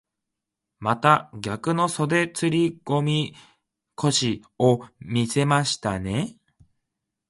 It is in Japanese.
また逆の袖釣り込み腰を見せましたね。